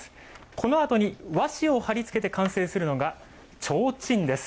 このあとに和紙を貼りつけて完成するのが、提灯です。